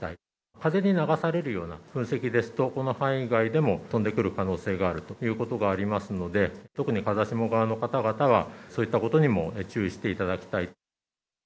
風に流されるような噴石ですと、この範囲外でも飛んでくる可能性があるということがありますので、特に風下側の方々は、そういったことにも注意していただきたい。